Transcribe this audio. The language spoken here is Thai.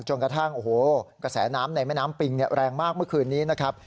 กระทั่งโอ้โหกระแสน้ำในแม่น้ำปิงแรงมากเมื่อคืนนี้นะครับ